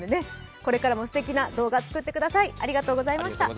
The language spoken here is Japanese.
これからもすてきな動画を作ってください。